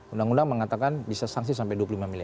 undang undang mengatakan bisa sanksi sampai dua puluh lima miliar